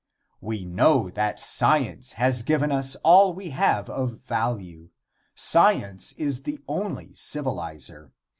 We know that science has given us all we have of value. Science is the only civilizer.